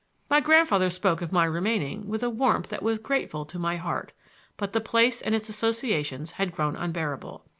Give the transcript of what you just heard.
My grandfather spoke of my remaining with a warmth that was grateful to my heart; but the place and its associations had grown unbearable.